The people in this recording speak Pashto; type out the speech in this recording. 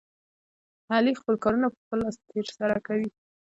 علي خپل کارونه په خپل لاس ترسره کوي.